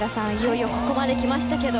いよいよここまできましたけど